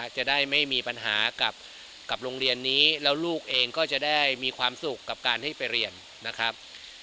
จะได้ไม่มีปัญหากับโรงเรียนนี้แล้วลูกเองก็จะได้มีความสุขกับการที่ไปเรียนนะครับ